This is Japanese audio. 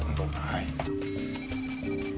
はい。